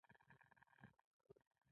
دښمن د تور هدف پلوي وي